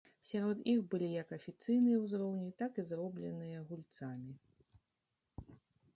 Сярод іх былі як афіцыйныя узроўні, так і зробленыя гульцамі.